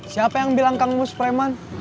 siapa yang bilang kamu sepreman